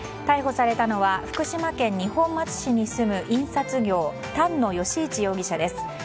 逮捕されたのは福島県二本松市に住む印刷業丹野美一容疑者です。